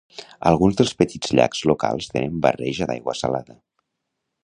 Alguns dels petits llacs locals tenen barreja d'aigua salada.